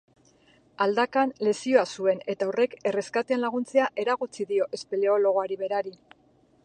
Aldakan lesioa zuen eta horrek erreskatean laguntzea eragotzi dio espeleologoari berari.